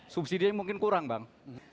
subsidi mungkin kurang bang